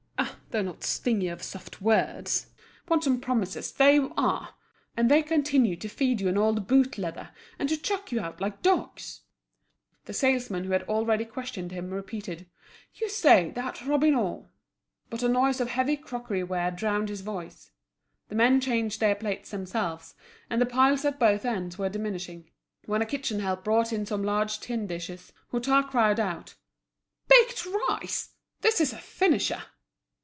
Ah, they're not stingy of soft words. Want some promises, there you are! And they continue to feed you on old boot leather, and to chuck you out like dogs!" The salesman who had already questioned him repeated: "You say that Robineau—" But a noise of heavy crockery ware drowned his voice. The men changed their plates themselves, and the piles at both ends were diminishing. When a kitchen help brought in some large tin dishes, Hutin cried out: "Baked rice! this is a finisher!"